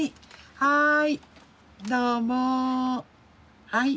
はい。